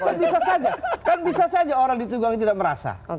kan bisa saja kan bisa saja orang ditunggangi tidak merasa